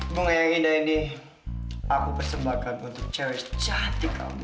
bunga yang indah ini aku persembahkan untuk cari kamu